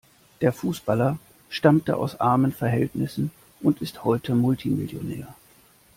Der Fußballer stammte aus armen Verhältnissen und ist heute Multimillionär.